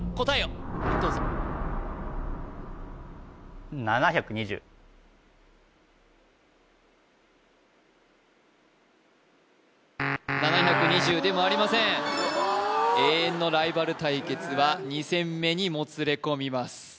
答えをどうぞ７２０でもありません永遠のライバル対決は２戦目にもつれこみます